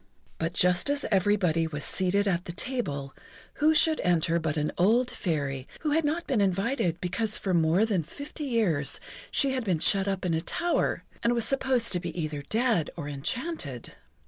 But just as everybody was seated at the table, who should enter but an old Fairy, who had not been invited because for more than fifty years she had been shut up in a tower, and was supposed to be either dead or enchanted.